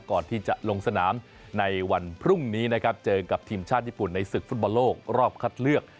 ก่อนที่จะลงสนามในวันพรุ่งนี้นะครับเจอกับทีมชาติญี่ปุ่นในศึกฟุตบอลโลกรอบคัดเลือก